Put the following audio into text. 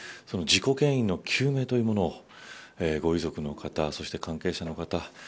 そして、不明者の救助そして何より事故原因の究明というものをご遺族の方、そして関係者の方